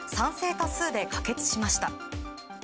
多数で可決しました。